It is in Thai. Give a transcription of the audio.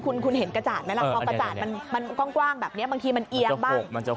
คุณเห็นกระจาดไหมล่ะพอกระจาดมันกว้างแบบนี้บางทีมันเอียงบ้าง